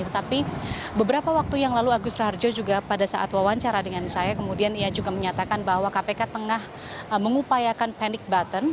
tetapi beberapa waktu yang lalu agus raharjo juga pada saat wawancara dengan saya kemudian ia juga menyatakan bahwa kpk tengah mengupayakan panic button